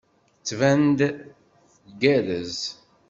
Tettban-d tgerrez.